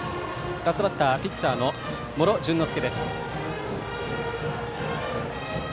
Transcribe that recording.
ラストバッターピッチャーの茂呂潤乃介。